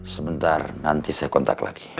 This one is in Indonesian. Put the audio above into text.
sebentar nanti saya kontak lagi